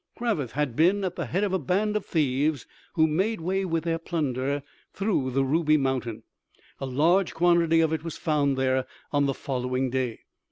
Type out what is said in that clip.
Cravath had been at the head of a band of thieves, who made way with their plunder through the Ruby Mountain. A large quantity of it was found there on the following day.